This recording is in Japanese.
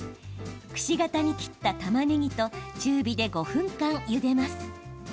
くし形に切った、たまねぎと中火で５分間ゆでます。